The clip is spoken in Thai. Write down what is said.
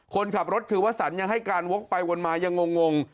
คนขับรถคือวสันยังให้การวกไปวนมายังงง